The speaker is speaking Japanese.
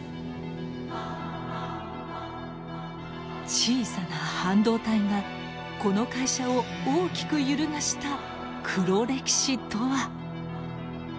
小さな半導体がこの会社を大きく揺るがした黒歴史とは。